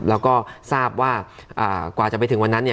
แล้วก็ทราบว่ากว่าจะไปถึงวันนั้นเนี่ย